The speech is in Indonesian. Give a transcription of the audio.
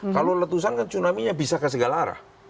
kalau letusan kan tsunami nya bisa ke segala arah